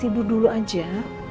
tidur dulu aja